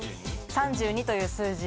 ３２という数字。